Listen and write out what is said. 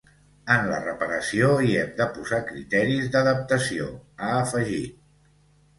En la reparació hi hem de posar criteris d’adaptació, ha afegit.